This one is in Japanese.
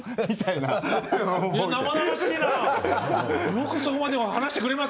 よくそこまで話してくれますね。